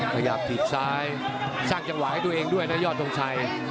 มันอยากถิดซ้ายสร้างจังหวะให้ด้วยนะยอดธงชัย